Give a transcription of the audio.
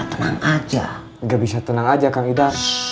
tenang aja nggak bisa tenang aja kang ida